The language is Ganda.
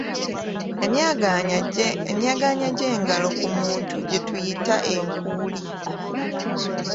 Emyagaanya gy’engalo ku muntu gye tuyita e nkuuli.